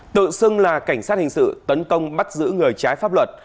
tự xưng là cảnh sát hình sự tấn công bắt giữ người trái pháp luật